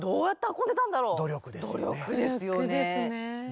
努力ですよね。